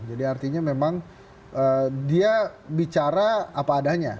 jadi artinya memang dia bicara apa adanya